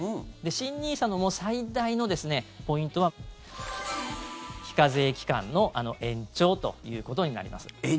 新ＮＩＳＡの最大のポイントは非課税期間の延長ということになります。